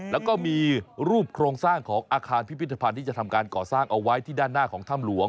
แล้วก็มีรูปโครงสร้างของอาคารพิพิธภัณฑ์ที่จะทำการก่อสร้างเอาไว้ที่ด้านหน้าของถ้ำหลวง